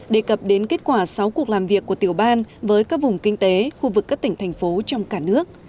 đề cập đến kết quả sáu cuộc làm việc của tiểu ban với các vùng kinh tế khu vực các tỉnh thành phố trong cả nước